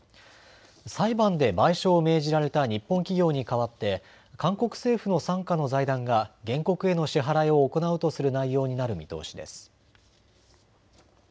裁判で賠償を命じられた日本企業に代わって韓国政府の傘下の財団が原告への支払いを行うとする内容になる見通しです。